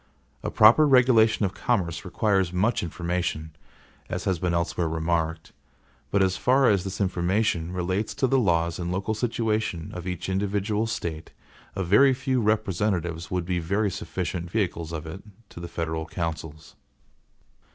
A proper regulation of commerce requires much information, as has been elsewhere remarked; but as far as this information relates to the laws and local situation of each individual State, a very few representatives would be very sufficient vehicles of it to the federal councils.